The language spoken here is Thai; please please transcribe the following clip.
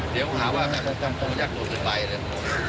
เดี๋ยวหาว่าจะลงจนไปเลย